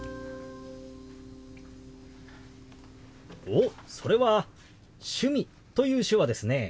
おっそれは「趣味」という手話ですね。